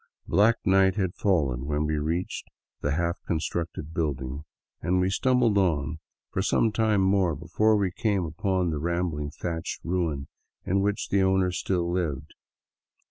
Black night had fallen when we reached the half constructed building, and we stumbled on for some time more before we came upon the rambling thatched ruin in which the owner still lived.